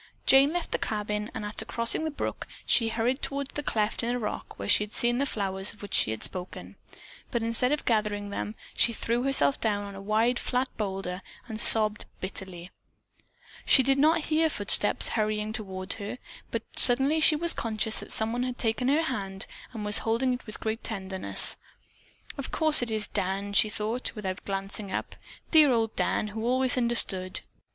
Jane left the cabin, and after crossing the brook, she hurried toward the cleft in a rock where she had seen the flowers of which she had spoken, but instead of gathering them, she threw herself down on a wide, flat boulder and sobbed bitterly. She did not hear footsteps hurrying toward her, but suddenly she was conscious that someone had taken her hand and was holding it with great tenderness. "Of course it is Dan," she thought, without glancing up. Dear old Dan who always understood.